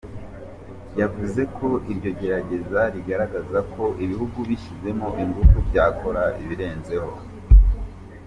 Yavuze ko iryo gerageza rigaragaza ko ibihugu bishyizemo ingufu byakora ibirenzeho.